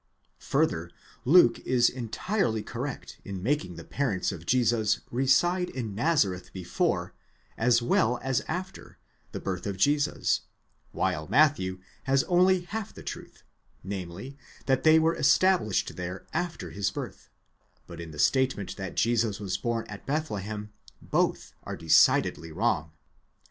Further, Luke is entirely correct in making the parents of Jesus reside in Nazareth before, as well as after, the birth of Jesus, while Matthew has only half the truth, namely, that they were established there after his birth ; but in the statement that Jesus was born at Bethlehem both are decidedly wrong.